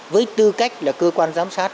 với tư cách là cơ quan giám sát